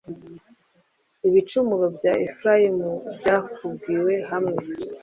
ibicumuro bya efurayimu byakubiwe hamwe